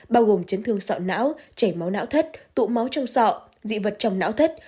bao gồm chấn thương sọ não chảy máu não thất tụ máu trong sọ dị vật trong não thất